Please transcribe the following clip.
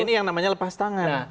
ini yang namanya lepas tangan